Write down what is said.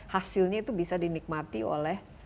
hasilnya itu bisa dinikmati oleh